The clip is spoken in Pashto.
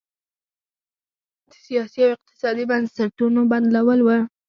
د سیاسي او اقتصادي بنسټونو بدلول و.